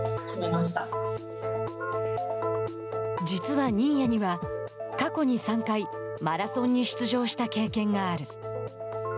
実は新谷には、過去に３回マラソンに出場した経験がある。